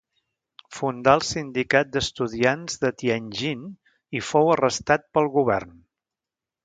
Fundà el sindicat d'estudiants de Tianjin i fou arrestat pel govern.